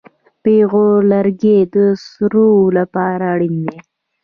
پېغور لرګی د سړو لپاره اړین دی.